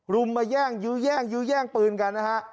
รุมมาแย่งยื้อแย่งยื้อแย่งปืนกันนะฮะ